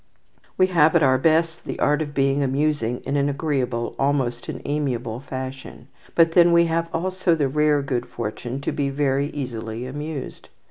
We have at our best the art of being amusing in an agreeable, almost an amiable, fashion; but then we have also the rare good fortune to be very easily amused.